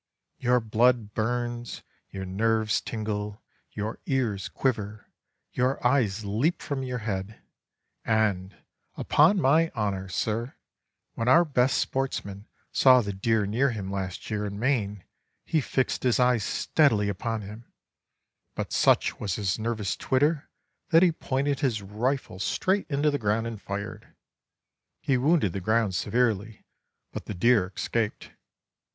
Your blood burns, your nerves tingle, your ears quiver, your eyes leap from your head, and, upon my honor, sir, when our best sportsman saw the deer near him last year in Maine, he fixed his eyes steadily upon him, but such was his nervous twitter that he pointed his rifle straight into the ground and fired. He wounded the ground severely, but the deer escaped.